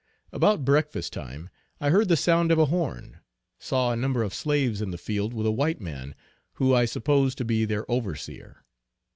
About breakfast time, I heard the sound of a horn; saw a number of slaves in the field with a white man, who I supposed to be their overseer.